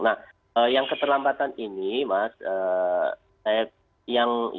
nah yang keterlambatan ini mas